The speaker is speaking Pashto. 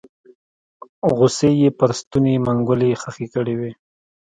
غصې يې پر ستوني منګولې خښې کړې وې